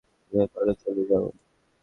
যেভাবে পারো চলে যাও!